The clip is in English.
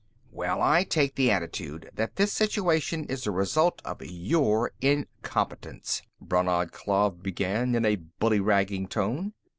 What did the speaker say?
"Well, I take the attitude that this situation is the result of your incompetence," Brannad Klav began, in a bullyragging tone.